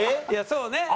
いやそうね。